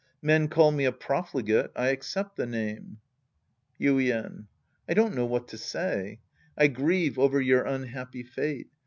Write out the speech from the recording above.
Men call me a profligate. I accept the name. Yuien. I don't know what to say. I grieve over your unhappy fate.